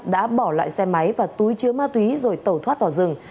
đã bỏ lại xe máy và túi chứa ma túy rồi tẩu thoát vào rừng